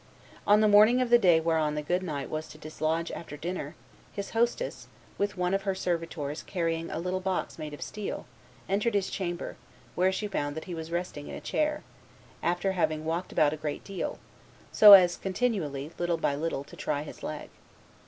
On the morning of the day whereon the good knight was to dislodge after dinner, his hostess, with one of her servitors carrying a little box made of steel, entered his chamber, where she found that he was resting in a chair, after having walked about a great deal, so as continually, little by little, to try his leg.